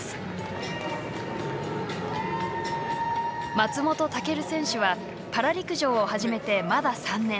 松本武尊選手はパラ陸上を始めて、まだ３年。